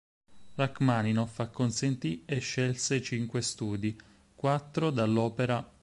Rachmaninov acconsentì e scelse cinque studi, quattro dall'op.